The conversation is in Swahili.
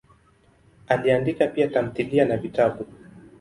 Aliandika pia tamthilia na vitabu.